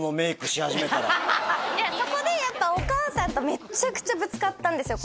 そこでやっぱお母さんとめちゃくちゃぶつかったんですよ